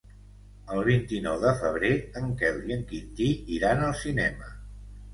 El vint-i-nou de febrer en Quel i en Quintí iran al cinema.